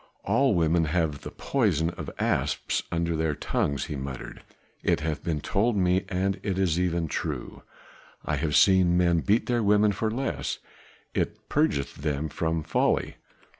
"All women have the poison of asps under their tongues," he muttered. "It hath been told me, and it is even true, I have seen men beat their women for less; it purgeth them from folly."